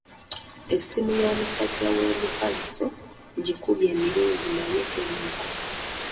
Essimu y'omusajja w'emifaliso ngikubye emirundi naye teriiko.